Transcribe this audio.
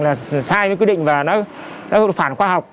là sai nó quy định và nó phản khoa học